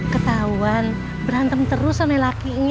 ketahuan berantem terus sama lakinya